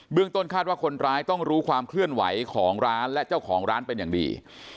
ต้นคาดว่าคนร้ายต้องรู้ความเคลื่อนไหวของร้านและเจ้าของร้านเป็นอย่างดี